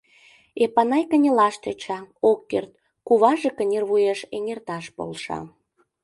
Эпанай кынелаш тӧча, ок керт, куваже кынервуеш эҥерташ полша.